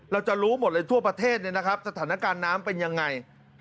เราจะรู้หมดเลยทั่วประเทศเนี่ยนะครับสถานการณ์น้ำเป็นยังไง